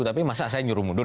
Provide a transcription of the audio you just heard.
tapi masa saya nyuruh mundur